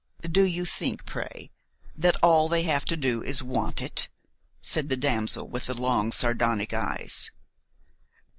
"Do you think, pray, that all they have to do is to want it?" said the damsel with the long sardonic eyes.